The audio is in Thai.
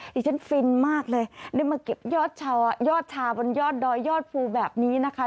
ดิฉันฟินมากเลยได้มาเก็บยอดชาบนยอดดอยยอดภูแบบนี้นะคะ